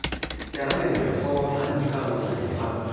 雨の予想を３時間ごとに見ます。